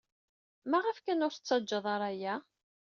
Maɣef kan ur tettaǧǧad ara aya?